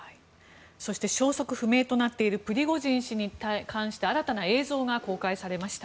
そして消息不明となっているプリゴジン氏に関して新たな映像が公開されました。